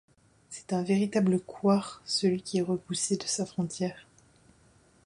C'est un véritable couard, celui qui est repoussé de sa frontière.